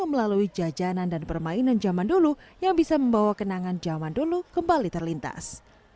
melalui jajanan dan permainan zaman dulu yang bisa membawa kenangan zaman dulu kembali terlintas